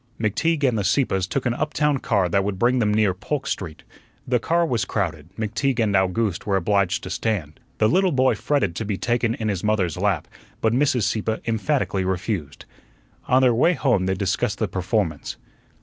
McTeague and the Sieppes took an uptown car that would bring them near Polk Street. The car was crowded; McTeague and Owgooste were obliged to stand. The little boy fretted to be taken in his mother's lap, but Mrs. Sieppe emphatically refused. On their way home they discussed the performance.